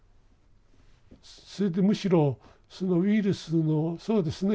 それでむしろそのウイルスのそうですね